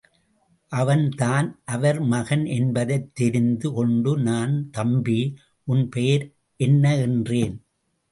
அவன்தான் அவர் மகன் என்பதைத் தெரிந்து கொண்டு நான், தம்பி உன் பெயர் என்ன? என்றேன்.